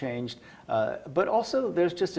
saya ingin mengambil kesempatan